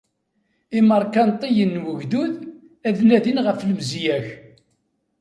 Imeṛkantiyen n ugdud ad nadin ɣef lemziya-k.